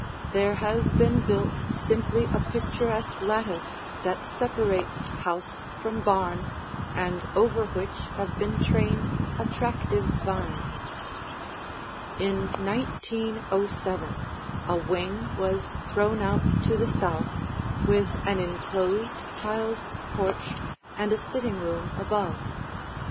There has been built simply a picturesque lattice that separates house from barn and over which have been trained attractive vines. [Illustration: As Finally Remodeled] In 1907 a wing was thrown out to the south, with an enclosed, tiled porch and a sitting room above.